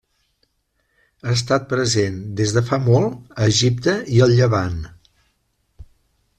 Ha estat present des de fa molt a Egipte i el Llevant.